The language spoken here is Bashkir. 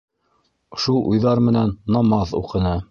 Шул уйҙар менән намаҙ уҡыны.